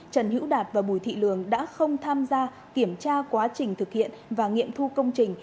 trần hữu đạt và bùi thị lường đã không tham gia kiểm tra quá trình thực hiện và nghiệm thu công trình